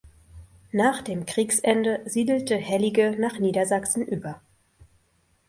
Nach dem Kriegsende siedelte Hellige nach Niedersachsen über.